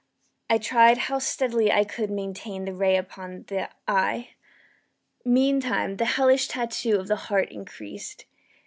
I tried how steadily I could maintain the ray upon the eve. Meantime the hellish tattoo of the heart increased.